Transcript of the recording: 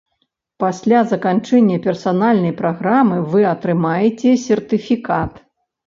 Пасля заканчэння персанальнай праграмы вы атрымаеце сертыфікат.